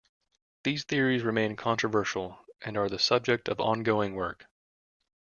These theories remain controversial and are the subject of ongoing work.